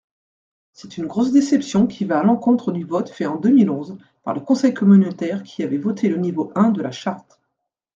C’est une grosse déception qui va à l’encontre du vote fait en deux mille onze par le conseil communautaire qui avait voté le niveau un de la charte.